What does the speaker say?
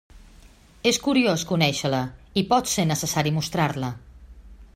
És curiós conèixer-la, i pot ser necessari mostrar-la.